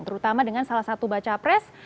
terutama dengan salah satu bacawapres